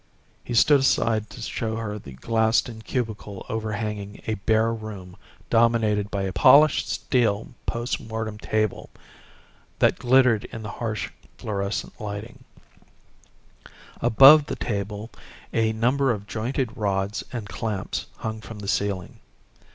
He stood aside to show her the glassed in cubicle overhanging a bare room dominated by a polished steel post mortem table that glittered in the harsh fluorescent lighting. Above the table a number of jointed rods and clamps hung from the ceiling.